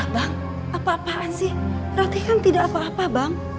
bang apa apaan sih roti kan tidak apa apa bang